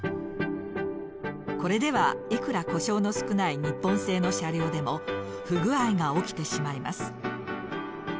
これではいくら故障の少ない日本製の車両でも不具合が起きてしまいます。